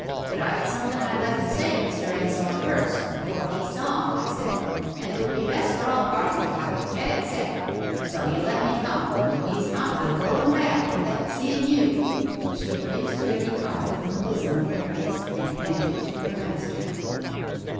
But I'd some thing I'd like to say to Mr. Ensor first before he saw him, I said, and it would be best for all parties if I could get it said. So he let me come, though he's not a going back without seeing you !" She produced a dirty card, from the bosom of her dress, and handed it to her master.